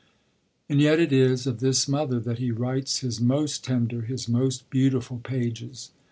And yet it is of this mother that he writes his most tender, his most beautiful pages.